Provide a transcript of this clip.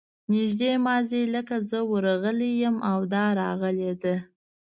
نږدې ماضي لکه زه ورغلی یم او دا راغلې ده.